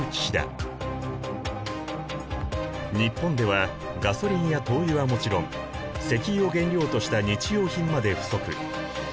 日本ではガソリンや灯油はもちろん石油を原料とした日用品まで不足。